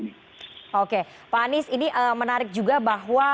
oke pak anies ini menarik juga bahwa